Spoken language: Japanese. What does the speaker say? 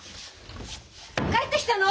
帰ってきたの？